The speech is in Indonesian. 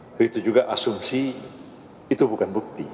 begitu juga asumsi itu bukan bukti